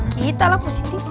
kita lah positif